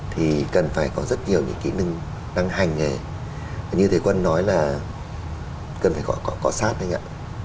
thì cần phải có rất nhiều những kỹ năng năng hành nghề như thầy quân nói là cần phải có sát anh ạ